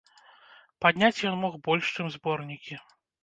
Падняць ён мог больш, чым зборнікі.